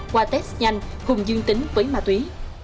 qua test nhanh hùng dương tính với ma túy